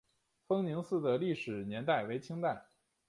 丰宁寺的历史年代为清代。